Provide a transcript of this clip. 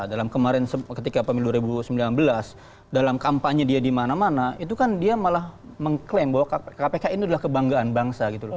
dalam kemarin ketika pemilu dua ribu sembilan belas dalam kampanye dia di mana mana itu kan dia malah mengklaim bahwa kpk ini adalah kebanggaan bangsa gitu loh